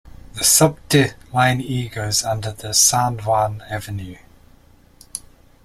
The Subte Line E goes under the San Juan Avenue.